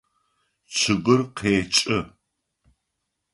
Чъыгыр къэкӏы.